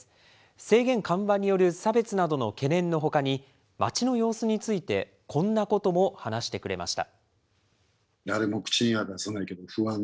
制限緩和による差別などの懸念のほかに、街の様子についてこんなことも話してくれました。